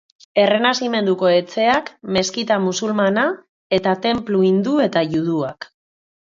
Errenazimentuko etxeak, meskita musulmana eta tenplu hindu eta juduak.